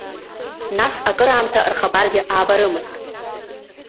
Нас акыраамҭа рхабаргьы аабарымызт…